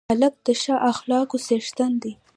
هلک د ښه اخلاقو څښتن دی.